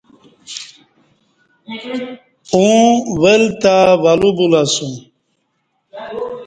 اوں ول تہ ولو بولہ اسوم